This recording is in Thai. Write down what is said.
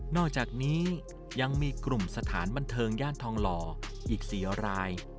อกจากนี้ยังมีกลุ่มสถานบันเทิงย่านทองหล่ออีก๔ราย